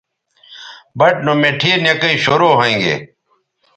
بَٹ نو مٹھے نکئ شروع ھویں گے